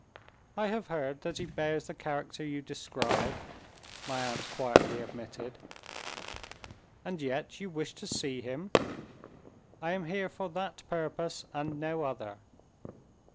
"I have heard that he bears the character you describe," my aunt quietly admitted. "And yet you wish to see him?" "I am here for that purpose and no other."